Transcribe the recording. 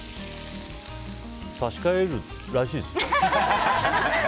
差し替えるらしいっすよ。